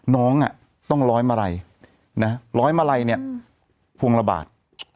น้องต้องล้อยมาลัยล้อยมาลัยได้ภวงละบาท